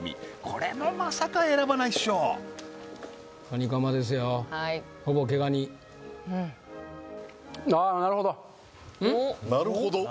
これはまさか選ばないっしょカニカマですよほぼ毛ガニああーなるほど？